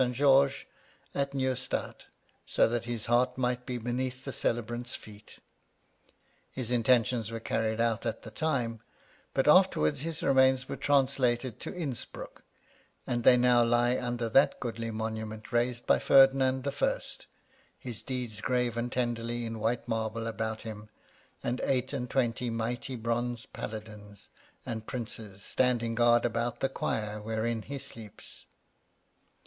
George at Neustadt, so that his heart might be beneath the celebrant's feet. His intentions were carried out at the time ; but afterwards his remains were translated to Inspruck, and they now lie under that goodly monument raised by Ferdinand I., his deeds graven tenderly in white marble about him, and eight and twenty mighty bronze paladins and princes standing guard about the choir wherein he sleeps.